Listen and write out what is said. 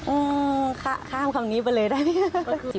อืมข้ามคำนี้ไปเลยได้